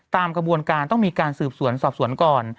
ตามกระบวนการต้องมีการสืบสวนสอบสวนก่อน